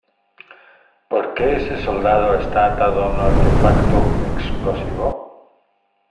¿ Por qué ese soldado está atado a un artefacto explosivo?